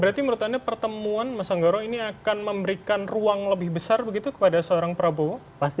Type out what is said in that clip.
berarti menurut anda pertemuan mas anggaro ini akan memberikan ruang lebih besar begitu kepada seorang prabowo